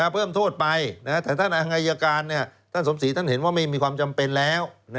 เพิ่มโทษไปแต่ท่านอายการท่านสมศรีท่านเห็นว่าไม่มีความจำเป็นแล้ว